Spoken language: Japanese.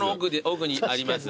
奥にあります。